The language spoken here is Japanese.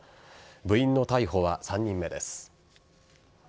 部員の逮捕は３人目です。